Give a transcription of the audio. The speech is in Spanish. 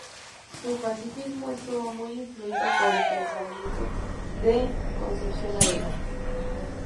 Su pacifismo estuvo muy influido por el pensamiento de Concepción Arenal.